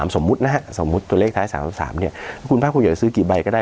สมมุตินะฮะสมมุติตัวเลขท้าย๓๓เนี่ยคุณภาคภูมิอยากจะซื้อกี่ใบก็ได้